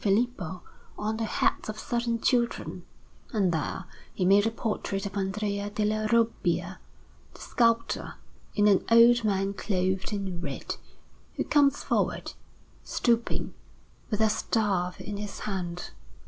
Filippo on the heads of certain children; and there he made a portrait of Andrea della Robbia, the sculptor, in an old man clothed in red, who comes forward, stooping, with a staff in his hand.